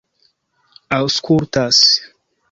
aŭskultas